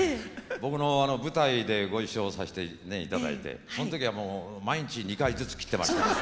僕の舞台でご一緒させていただいてその時はもう毎日２回ずつ斬ってます。